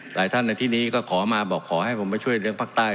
หลายท่านในที่นี้ก็ขอมาบอกขอให้ผมไปช่วยเรื่องภาคใต้